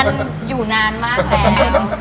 มันอยู่นานมากแล้ว